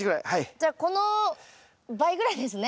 じゃあこの倍ぐらいですね？